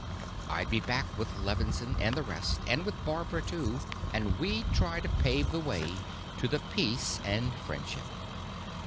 I'd be back with Levinsohn and the rest, and with Barbara, too, and we'd try to pave the way to the peace and friendship.